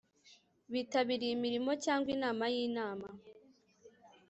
bitabiriye imirimo cyangwa inama y Inama